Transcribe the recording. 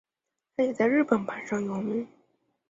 它也在日本榜上有名。